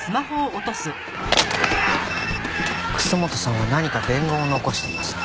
楠本さんは何か伝言を残しています。